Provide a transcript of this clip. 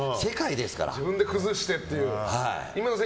自分で崩してという。